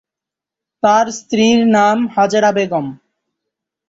তার স্ত্রীর নাম হাজেরা বেগম।